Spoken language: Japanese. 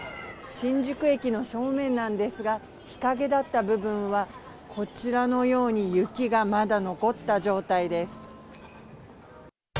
新宿駅の正面なんですが、日陰だった部分は、こちらのように、雪がまだ残った状態です。